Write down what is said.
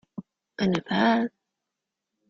I never had.